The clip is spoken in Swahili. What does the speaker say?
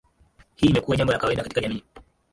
Hii imekuwa jambo la kawaida katika jamii.